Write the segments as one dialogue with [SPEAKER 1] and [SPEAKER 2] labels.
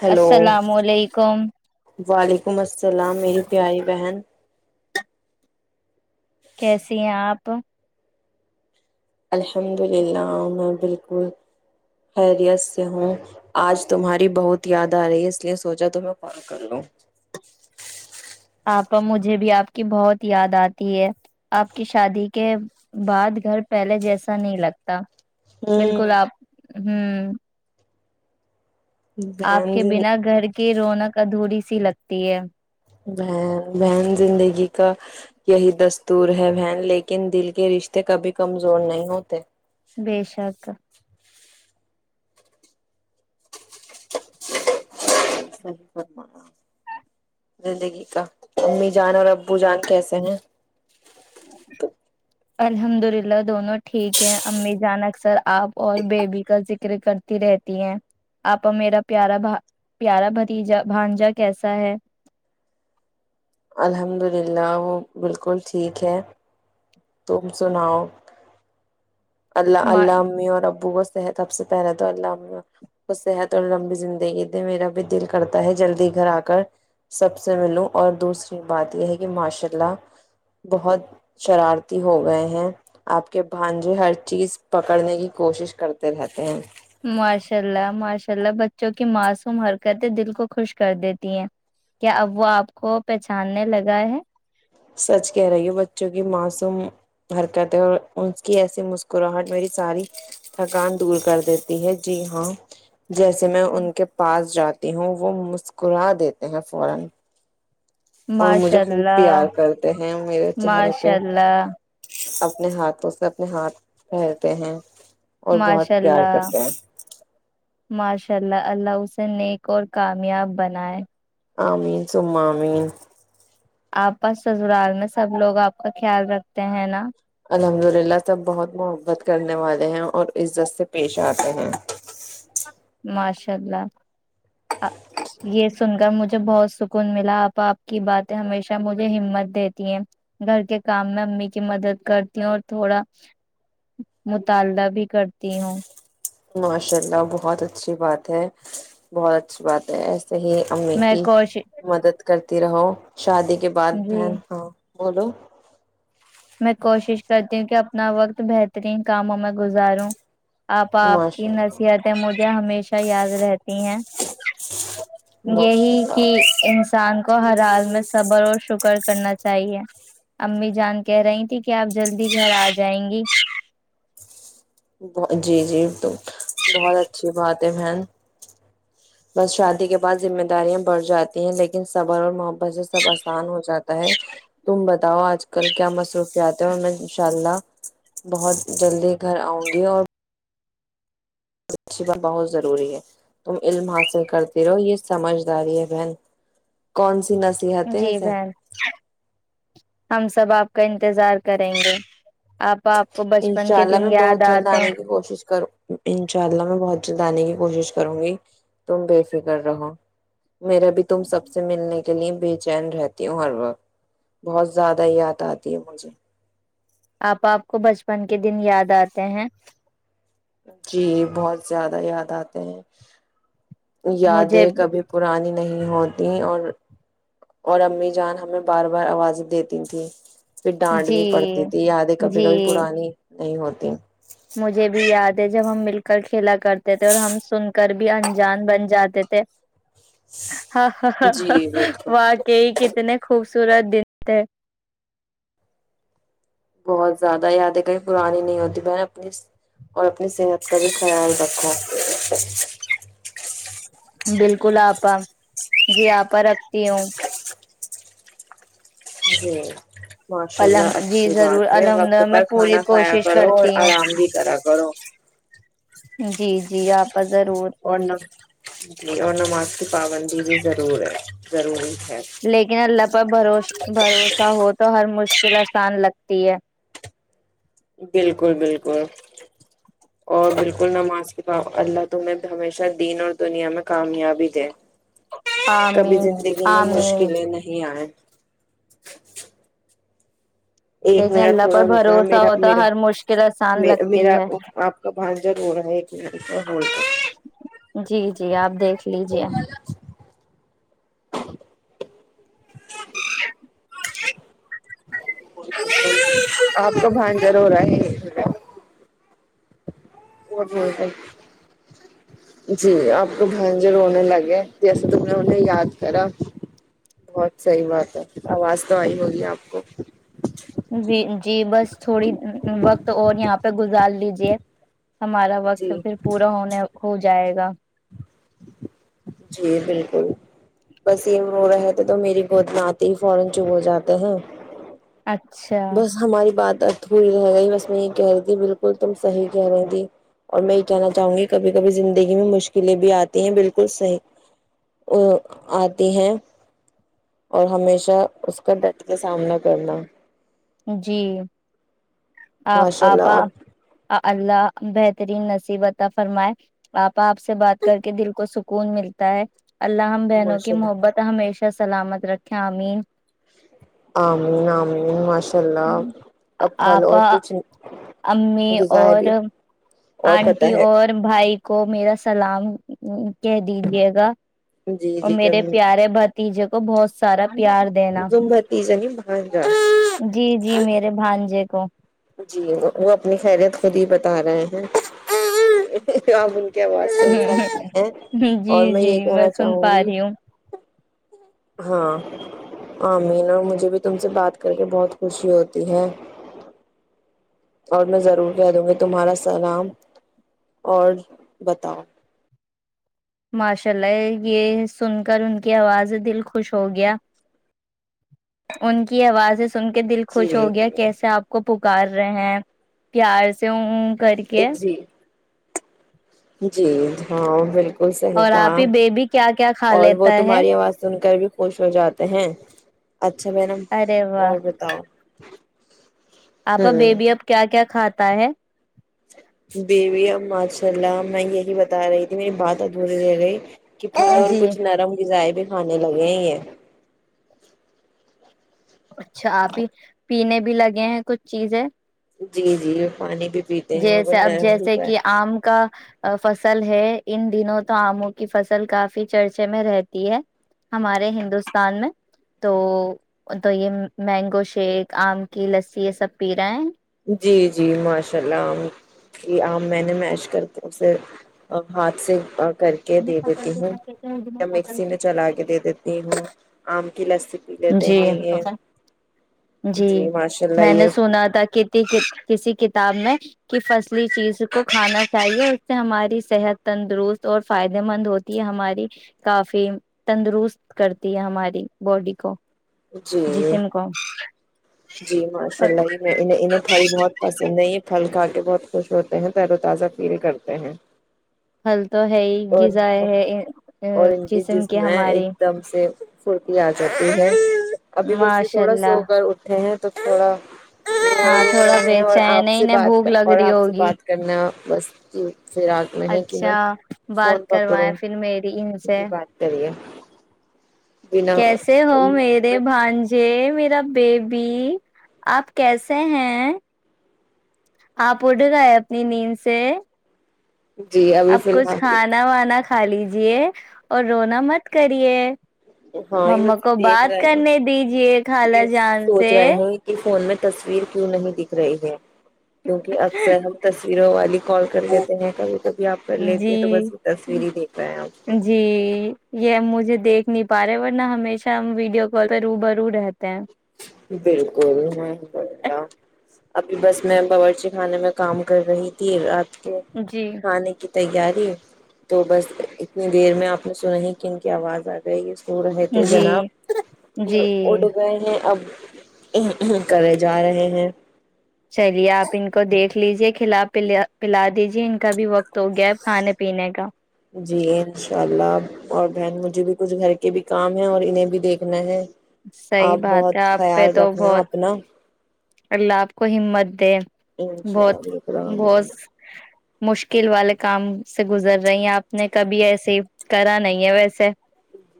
[SPEAKER 1] hello
[SPEAKER 2] السلام علیکم
[SPEAKER 1] کمست سلام میری پیاری بہن
[SPEAKER 2] کیسی ہیں آپ
[SPEAKER 1] الحمد للہ میں بالکل خیریت سے ہوں آج تمہاری بہت یاد آ رہی اس لیئے سوچا تم کال کر لوں
[SPEAKER 2] آپا مجھے بھی آپ کی بہت یاد آتی ہے آپ کی شادی کے بعد گھر پہلے جیسا نہیں لگتا
[SPEAKER 1] ہوں
[SPEAKER 2] بالکل آپ ہوں آپ
[SPEAKER 1] بہن
[SPEAKER 2] کے بنا گھر کے کی رونق ادھوری سی لگتی ہے
[SPEAKER 1] بہن بہن زندگی کا یہی دستور ہے بہن لیکن دل کے رشتے کبھی کمزور نہیں ہوتے
[SPEAKER 2] بے شک
[SPEAKER 1] صحیح زندگی کا امی جان اور ابو جان کیسے ہیں
[SPEAKER 2] الحمد للہ دونوں ٹھیک ہیں امی جان اکثر آپ اور بیبی کا ذکر کر کرتی رہتی ہیں آپ میرا پیارا بھ پیارا بھتیجا بھانجا کیسا ہے
[SPEAKER 1] الحمد للہ وہ بالکل ٹھیک ہے تم سناؤ اللہ
[SPEAKER 2] ماں
[SPEAKER 1] اللہ امی اور ابو او صحت سب سے پہلے تو اللہ صحت اور لمبی زندگی دے میرا بھی دل کرتا ہے جلدی گھر آ کر سب سے ملوں اور دوسری ا بات یہ ہے کہ ماشاء اللہ بہت شرارتی ہو گئے ہیں آپ کے بھانجے ہر چیز پکڑنے کی کوشش کرتے رہتے ہیں
[SPEAKER 2] ماشاء اللہ ماشاء اللہ بچوں کی معصوم حرکتیں دل کو خوش کر دیتی ہیں کیا اب وہ آپ کو پہچاننے لگا ہے
[SPEAKER 1] سچھ کہہ رہی ہو بچوں کی معصوم حرکت ہے اور ان کی ایسی مسکراہٹ میری ساری تھکان دور کر دیتی ہے جی ہاں جیسے میں ان کے پاس جاتی مسکرا دیتے ہیں فورا اور
[SPEAKER 2] ماشاء
[SPEAKER 1] مجھے خوب
[SPEAKER 2] اللہ
[SPEAKER 1] پیار کرتے ہیں میرے چہرے پہ
[SPEAKER 2] ماشاء اللہ
[SPEAKER 1] اب اپنے ہاتھوں سے اپنے ہاتھ پٹہرتے ہیں اور
[SPEAKER 2] ماشاء
[SPEAKER 1] بہت پیار
[SPEAKER 2] اللہ
[SPEAKER 1] کرتے ہیں
[SPEAKER 2] ان شاء اللہ اللہ اسسن نے ایک اور کامیاب بنائے
[SPEAKER 1] آ مین سم مین
[SPEAKER 2] آپ پاس سزرال میں سب لوگ آپ کا خیال رکھتے ہیں نا
[SPEAKER 1] الحمد للہ سب بہت محبت کرنے والے ہیں اور عزت سے پیش آتے ہیں
[SPEAKER 2] ماشاء اللہ یہ سن گا مجھے بہت سکون ملا اب اپ کی باتیں ہمیشہ مجھے ہمت دیتی ہیں گھر کے کام میں امی کی مدد کرتی ہوں اور تھوڑا مطالبہ بھی کرتی ہوں
[SPEAKER 1] ماشاءاللہ بہت صحیح امی
[SPEAKER 2] میں
[SPEAKER 1] کی
[SPEAKER 2] کوش
[SPEAKER 1] مدد کر ت رہو شادی کے بعد
[SPEAKER 2] جی
[SPEAKER 1] بہن ہاں بولو
[SPEAKER 2] میں کوشش کرتی ہوں کہ اپنا وقت بہترین کاموں میں گزاروں آپ, آپ کی
[SPEAKER 1] ماشاء اللہ
[SPEAKER 2] نصیحتیں مجھے ہمیشہ یاد رہتی ہیں
[SPEAKER 1] ماشاء
[SPEAKER 2] یہی کہ
[SPEAKER 1] اللہ
[SPEAKER 2] انسان کو کو ہر حال میں سبر اور شکر کرنا چاہیے امی جان کہہ رہی تھی کہ آپ جلدی گھر آ جائیں گی
[SPEAKER 1] جی, جی بہت اچھی بات ہے بہن بس شادی کے بعد ذمہ داریاں بڑھ جاتی ہیں لیکن صبر اور محبت سے سب اسان ہو جاتا ہے تم بتاؤ اج کل کیا مصروفیات ہے اور میں انشاءاللہ بہت جلدی گھر اؤںا جی اور بہت ضروری ہے تم علم حاصل کرتی رہو یہ سمجھداری ہے بہن نہ سیاتے
[SPEAKER 2] جی
[SPEAKER 1] ویسے
[SPEAKER 2] بہن ہم سب آپ کا انتظار کریں گے آپ آپ کو بچپن کے
[SPEAKER 1] انشاءاللہ
[SPEAKER 2] دن
[SPEAKER 1] میں
[SPEAKER 2] یاد
[SPEAKER 1] بہت جلد
[SPEAKER 2] آتے ہیں
[SPEAKER 1] انے کی کوشش کروں انشاءاللہ میں بہت دانے کی کوشش کروں گی تم بے فکر رہو میرے بھی تم سب سے ملنے کے لیے بے چین رہتی ہوں ہر وقت بہت زیادہ یاد آتی ہے مجھے
[SPEAKER 2] آپ, آپ کو بچپن کے دن یاد آتے ہیں
[SPEAKER 1] جی بہت زیادہ یاد آتے ہیں
[SPEAKER 2] مجھے
[SPEAKER 1] یادیں کبھی پرانی نہیں نہیں ہوتییں اور اور امی جان ہمیں بار, بار آوازیں دیتی تھیں پھر ڈانڈ
[SPEAKER 2] جی
[SPEAKER 1] بھی پڑتی تھی یادیں کبھی کبھی
[SPEAKER 2] جی
[SPEAKER 1] پرانی نہیں ہوتی
[SPEAKER 2] مجھے بھی یاد جب ہم مل کر کھیلا کرتے تھے اور ہم سن کر بھی انجان بن جاتے تھے ہاں ہ
[SPEAKER 1] جی بالکل
[SPEAKER 2] واقعی کتنے خوبصورت دن تھے
[SPEAKER 1] بہت زیادہ یاد ہے کہیں پرانی نہیں ہوتی میں اپنی اور اپنی صحت کا بھی خیال رکھیں اچ
[SPEAKER 2] بالکل آپا جی آپا رکھتی ہوں
[SPEAKER 1] جی ماشاء اللہ
[SPEAKER 2] الحم جی
[SPEAKER 1] اچھی
[SPEAKER 2] ضرور
[SPEAKER 1] بات ہے
[SPEAKER 2] الحمد
[SPEAKER 1] وقت
[SPEAKER 2] میں
[SPEAKER 1] پر
[SPEAKER 2] پوری
[SPEAKER 1] کھانا کھایا
[SPEAKER 2] کوشش
[SPEAKER 1] کرو اور
[SPEAKER 2] کرتی
[SPEAKER 1] آرام بھی کرا کرو
[SPEAKER 2] جی جی آپ
[SPEAKER 1] ا ن جی ا نما پابندی بھی ضرور ہے ضروری ہے
[SPEAKER 2] لیکن اللہ پر بھروس بھروسہ ہو تو ہر مج مسان لگتی ہے
[SPEAKER 1] بالکل بالکل اور بالکل نماز اللہ تمہیں ہمیشہ دین اور دنیا میں کامیابی دے کبھی
[SPEAKER 2] آمین
[SPEAKER 1] زندگی میں
[SPEAKER 2] آمین
[SPEAKER 1] مشکلیں نہیں آئے ایک
[SPEAKER 2] لیکن
[SPEAKER 1] منٹ
[SPEAKER 2] اللہ
[SPEAKER 1] تھوڑا
[SPEAKER 2] پر
[SPEAKER 1] رکناا
[SPEAKER 2] بھروسہ
[SPEAKER 1] میرا
[SPEAKER 2] ہوتا
[SPEAKER 1] میرا
[SPEAKER 2] ہر مشکل آسان
[SPEAKER 1] میرا
[SPEAKER 2] لگتی ہے
[SPEAKER 1] آپ کا بھانجڑ ہو رہا ہے ایک منٹ رول کر
[SPEAKER 2] جی جی آپ دیکھ لیجیے
[SPEAKER 1] آپ کو بھان ضرور ہے مٹ جی آپ کو بھانجے ہوونے لگے جیسے تم نے انہیں یاد کرا بہت صحیح بات ہے آواز تو آئی ہوگی آپ کو
[SPEAKER 2] جی جی بس تھوڑی وقت تو اور یہاں پہ گزار لیجے ہمارا وقت
[SPEAKER 1] جی
[SPEAKER 2] پھر پورا ہونے ہو جائے گا
[SPEAKER 1] جی بالکل بس یہ رو رہے تھ تو میری گودنتے ہی فورن چپ ہو جاتے ہیں
[SPEAKER 2] اچھا
[SPEAKER 1] بس ہماری بات ہے ئی رہ گی بس میں یہ کہہ رہی تھی بالکل تم صحیح کہہ رہی تھی اور میں یہ کہنا چاہوں گی کبھی کبھی زندگی میں مشکلیں بھی آتی ہیں بالکل صحیح آتی ہیں اور ہمیشہ اس کا ڈرت کا سامنا کرنا
[SPEAKER 2] جی [unintelligible] آپ
[SPEAKER 1] ماشاء اللہ
[SPEAKER 2] آپا
[SPEAKER 1] آپ
[SPEAKER 2] اللہ بہترین نصیبت فرمائے آپ آپ سے بات کر کے دل کو سکون ملتا ہے [unintelligible] اللہ ہم بہنوں کی
[SPEAKER 1] ماشاء اللہ
[SPEAKER 2] محبت ہمیشہ [unintelligible] ا سلامت رکھیں امین [unintelligible]
[SPEAKER 1] آمم [unintelligible] پھل اور
[SPEAKER 2] آپا
[SPEAKER 1] کچھ
[SPEAKER 2] امی
[SPEAKER 1] غذا ہے
[SPEAKER 2] اور
[SPEAKER 1] بھی اور پتہ
[SPEAKER 2] آنٹی
[SPEAKER 1] ہے
[SPEAKER 2] اور بھائی کو میرا سلام [unintelligible] کہہ دیجے گا
[SPEAKER 1] جی
[SPEAKER 2] اور
[SPEAKER 1] جی
[SPEAKER 2] میرے پیارے بھتیجے کو کو بہت سارا پیار دینا
[SPEAKER 1] زمبتیزنی مہانجا
[SPEAKER 2] جی جی میرے بھانجے کو
[SPEAKER 1] جی وہ اپنی خیریت خود ہی بتا رہے ہیں ا از ہیں اور
[SPEAKER 2] جی
[SPEAKER 1] میں
[SPEAKER 2] جی
[SPEAKER 1] یہ کہنا
[SPEAKER 2] سن
[SPEAKER 1] چاہوں
[SPEAKER 2] پا
[SPEAKER 1] گی
[SPEAKER 2] رہی ہوں
[SPEAKER 1] [unintelligible] ہاں امین اور مجھے بھی تم سے بات کر کے بہت خوشی ہوتی اور میں ضرور کہہ دوں گی تمہارا سلام اور بتاؤ
[SPEAKER 2] ماشاء اللہ یہ سن کر ان کی آواز دل خوش ہو گیا ان کی آوازیں سن کے دل
[SPEAKER 1] جی
[SPEAKER 2] خوش ہو گیا کیسے آپ کو پکار رہے ہیں پیار سے ا کر کے
[SPEAKER 1] جی جی ہاں بالکل بالکل صحیح
[SPEAKER 2] اور
[SPEAKER 1] کہا
[SPEAKER 2] آپ ہی بیبی کیا کیا کھا
[SPEAKER 1] اور وہ
[SPEAKER 2] لیتا ہے
[SPEAKER 1] تمہاری آواز سن کر بھی خوش ہو جاتے ہیں اچھا م نم
[SPEAKER 2] ارے
[SPEAKER 1] اور بتاؤ
[SPEAKER 2] آپ
[SPEAKER 1] ہوں
[SPEAKER 2] بیبی اب کیا کیا کھاتے ہے
[SPEAKER 1] بیوی اب ماشاء اللہ میں یہی بتا رہی تھی میری بات ادھوری رہ گئی ک اور
[SPEAKER 2] جی
[SPEAKER 1] کچھ نرم غذائے بھی کھے لگے ہی ہیں
[SPEAKER 2] اچھا آپ ہی پینے بھی لگے ہیں کچھ چیزیں
[SPEAKER 1] جی جی پانی بھی پیتے ہیں اور
[SPEAKER 2] جیسے اب
[SPEAKER 1] نرم
[SPEAKER 2] جیسے
[SPEAKER 1] غذائیں
[SPEAKER 2] کہ آم کا فصل ہے ان دنوں تو آموں کی فصل کافی چرچے میں رہتی ہے ہمارے ہندوستان میں تو تو یہ مینگو شیک آم کی لسی یہ سب پی رہے ہیں
[SPEAKER 1] جی جی ماشاء اللہ میں نے مش کرے ہاتھ سے کر کے دے دیتی ہوں یا مکسی میں چلا کے دے دیتی ہوں آم کی لسی پی لیتے
[SPEAKER 2] جی
[SPEAKER 1] ہیں یہ جی ماشاء اللہ
[SPEAKER 2] میں
[SPEAKER 1] یہ
[SPEAKER 2] نے سنا تھا کتی کسی کتاب میں کہ فصلی چیز کو کھانا چاہیے اس سے ہماری صحت تندرست اور فائدے مند ہوتی ہے ہماری کافی تندرست کرتی ہے ہماری باڈی کو
[SPEAKER 1] جی
[SPEAKER 2] جسم کو
[SPEAKER 1] جی ماشاء اللہ ہی انیں انہیں پھل بہت پسند ہے یہ پھل کھا کے بہت خوش ہوتے ہیں تیر و تازہ فیل کرتے ہیں
[SPEAKER 2] خلک تو ہے ہی
[SPEAKER 1] اور
[SPEAKER 2] غذا ہے
[SPEAKER 1] اور
[SPEAKER 2] جسم کے ہمارے
[SPEAKER 1] ستی آ جاتی ہے ابھی بس یہ
[SPEAKER 2] ماشاء
[SPEAKER 1] تھوڑا سو
[SPEAKER 2] اللہ
[SPEAKER 1] ہو کر اٹھے ہیں تو تھوڑا
[SPEAKER 2] ہاں تھوڑا
[SPEAKER 1] ہیں اور
[SPEAKER 2] بیچا ہے
[SPEAKER 1] آپ
[SPEAKER 2] نہیں ہی
[SPEAKER 1] سے
[SPEAKER 2] نہیں بھوک
[SPEAKER 1] بات
[SPEAKER 2] لگ
[SPEAKER 1] اور
[SPEAKER 2] رہی
[SPEAKER 1] آپ سے
[SPEAKER 2] ہوگی
[SPEAKER 1] بات کرنا بس [unintelligible] پ آگ میں کی
[SPEAKER 2] اچھا
[SPEAKER 1] میں
[SPEAKER 2] بات
[SPEAKER 1] فون پکڑوں
[SPEAKER 2] کروائےیں پھر میری ان سے
[SPEAKER 1] جی [inaudible]
[SPEAKER 2] کیسے ہو میرے بھانجے میرا بیبی آپ کیسے ہیں آپ اٹھ گئے اپنی نیند سے
[SPEAKER 1] جی ابھی
[SPEAKER 2] اب
[SPEAKER 1] فی
[SPEAKER 2] کچھ
[SPEAKER 1] الحال
[SPEAKER 2] کھانا وانا ک کھا لیجیے اور رونا مت کریے
[SPEAKER 1] ہاں یہ
[SPEAKER 2] ما
[SPEAKER 1] بچے
[SPEAKER 2] کو
[SPEAKER 1] دیکھ
[SPEAKER 2] بات
[SPEAKER 1] رہے ہیں
[SPEAKER 2] کرنے دیجیے خال
[SPEAKER 1] یہ
[SPEAKER 2] جان سے
[SPEAKER 1] سوچ رہے ہیں کہ فون میں تصویر کیوں نہیں دکھ رہی ہے کیونکہ اکثر ہم ت یرو والی کال کر دیتے ہیں کبھی کب آپ کر لیتی ہیں تو بس یہ
[SPEAKER 2] جی
[SPEAKER 1] تصویر ہی دیکھ رہا ہیں آپ کو
[SPEAKER 2] جی یہ مجھے دیکھ نہیں پا رہے ورنہ ہمیشہ ہم ویڈیو کال پہ رو برو رہتے ہیں
[SPEAKER 1] بالکل محمب اللہ ابھی بس میں باورچی خانے میں کام کر رہی تھی رات
[SPEAKER 2] جی
[SPEAKER 1] کھانے کی تیاری تو بس اتنی دیر میں آپ نے سنا ہی کہ ان کی آواز آ جائے گی اس سو رہے تھے جناب
[SPEAKER 2] جی
[SPEAKER 1] یہ
[SPEAKER 2] جی
[SPEAKER 1] اڈ گئے ہیں اب ا کرے جا رہے ہیں
[SPEAKER 2] چلیے آپ ان کو دیکھ لیجے کہ خلاف پلا دیجے ان کا بھی وقت تو گیا کھانے پینے کا
[SPEAKER 1] جی انشاء اللہ اور بہن مجھے بھی کچھ گھر کے بھی کام ہے اور انہیں بھی دیکھنا ہے
[SPEAKER 2] صحیح
[SPEAKER 1] آپ
[SPEAKER 2] بات ہے
[SPEAKER 1] بہت
[SPEAKER 2] آپ پہ
[SPEAKER 1] خیال
[SPEAKER 2] تو
[SPEAKER 1] رکھنا
[SPEAKER 2] بہت
[SPEAKER 1] اپنا
[SPEAKER 2] اللہ آپ کو ہمت دے
[SPEAKER 1] انشاء
[SPEAKER 2] بہت
[SPEAKER 1] اللہ اللامیکم
[SPEAKER 2] بہت مشکل والے کام سے گزر رہی ہیں آپ نے کبھی ایسے کرا نہیں ہے ویسے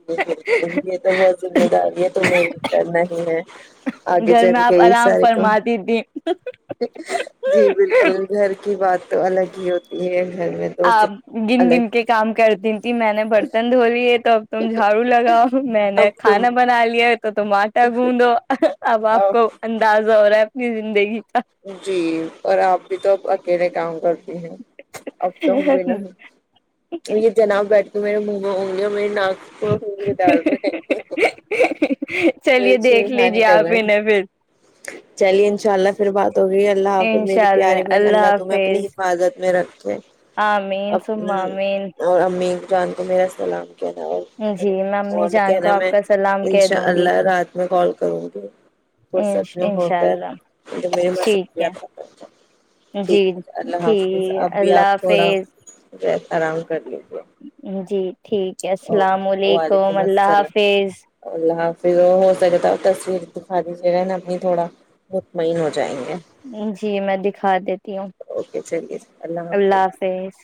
[SPEAKER 1] جی بالکل یہ تو بہت ذمہ داری ہے تو م کرنا ہی ہے آگے چل گئی ساری
[SPEAKER 2] فرمات دی تھی
[SPEAKER 1] جی بالکل گھر کی بات تو الگ ہی ہوتی ہے گھر میں تو سب
[SPEAKER 2] آپ گن
[SPEAKER 1] الگ
[SPEAKER 2] گن کے کام کرتی تھی میں نے برتن دھو لی تم جھاڑو لگاؤ میں
[SPEAKER 1] اب
[SPEAKER 2] نے
[SPEAKER 1] تم
[SPEAKER 2] کھانا بنا لیا تو تم آٹا گھندو اب آپ کو اندازہ ہو رہا ہے زندگی کا
[SPEAKER 1] جی اور آپ بھی تو اکیلے کام کرتی ہیں اب تو ہم ن اور یہ جناب بیٹھ تو میں بونا ہوں گی ڈال ب
[SPEAKER 2] چلیے دیکھ
[SPEAKER 1] ہانی
[SPEAKER 2] لیجیے
[SPEAKER 1] کر
[SPEAKER 2] آپ ہی نے پھر
[SPEAKER 1] چلیے ان شاء اللہ بات ہو رہی ہے اللہ آف می پیاری بہن اللہ تم میںہیں اپنی حفاظت میں رکھے
[SPEAKER 2] ہ مین سم
[SPEAKER 1] اپنی
[SPEAKER 2] مین
[SPEAKER 1] اور امی جان تو میرا سلام
[SPEAKER 2] میں امی
[SPEAKER 1] اور
[SPEAKER 2] جان کو
[SPEAKER 1] کہنا
[SPEAKER 2] آپ
[SPEAKER 1] میں
[SPEAKER 2] کا سلام کہہ
[SPEAKER 1] انشاء
[SPEAKER 2] دوں گی
[SPEAKER 1] اللہ رات میں کال کروں گی فرصت میں ہو
[SPEAKER 2] انشاء
[SPEAKER 1] کر
[SPEAKER 2] اللہ
[SPEAKER 1] ے م
[SPEAKER 2] ٹھیک ہے
[SPEAKER 1] ٹھیک
[SPEAKER 2] جی
[SPEAKER 1] ہے اللہ حافظ
[SPEAKER 2] ٹھیک
[SPEAKER 1] اب بھی
[SPEAKER 2] اللہ
[SPEAKER 1] آپ تھوڑا
[SPEAKER 2] حافظ
[SPEAKER 1] س آرام کر لی
[SPEAKER 2] جی ٹھیک ہے السلام
[SPEAKER 1] اوکے
[SPEAKER 2] علیکم
[SPEAKER 1] وعلیکم
[SPEAKER 2] اللہ حافظ
[SPEAKER 1] پھر وہ ہو سکے تو تصویر دکھا دی ج گا ہے ن اپنی تھوڑا مطمئن ہوتا
[SPEAKER 2] جی میں دکھا دیتی ہوں اللہ حافظ